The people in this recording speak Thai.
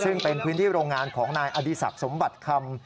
ซึ่งเป็นพื้นที่โรงงานของนายอดีศักดิ์สมบัติคำ